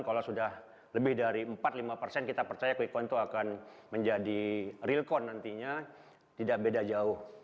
kalau sudah lebih dari empat lima persen kita percaya quick count itu akan menjadi real count nantinya tidak beda jauh